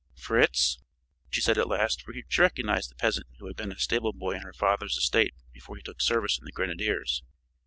"Fritz!" she said at last, for she recognized the peasant who had been a stable boy on her father's estate before he took service in the grenadiers.